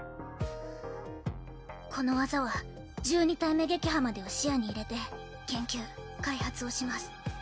この技は１２体目撃破までを視野に入れて研究開発をします。